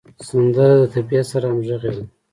سندره د طبیعت سره همغږې ده